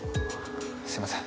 すいません。